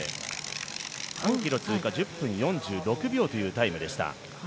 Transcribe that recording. ３ｋｍ通過１０分４６秒というタイムでした。